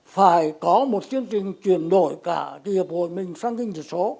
phải có một chương trình chuyển đổi cả nghiệp hội mình sang kinh tế số